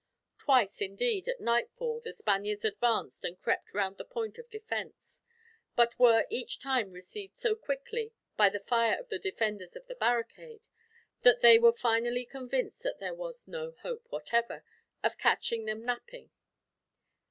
Twice, indeed, at nightfall the Spaniards advanced and crept round the point of defense; but were each time received so quickly, by the fire of the defenders of the barricade, that they were finally convinced that there was no hope, whatever, of catching them napping.